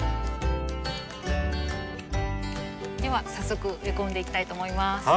では早速植え込んでいきたいと思います。